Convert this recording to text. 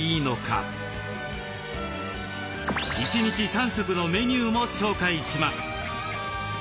１日３食のメニューも紹介します。